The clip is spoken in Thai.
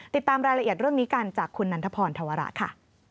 ติดตามรายละเอียดเรื่องนี้กันจากคุณนันทพรธวระค่ะ